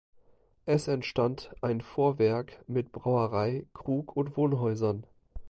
Es entstand ein Vorwerk mit Brauerei, Krug und Wohnhäusern.